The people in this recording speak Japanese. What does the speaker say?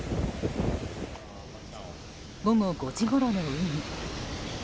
午後５時ごろの海。